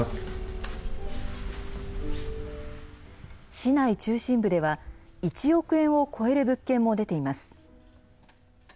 市内中心部では１億円を超える物件も出ています。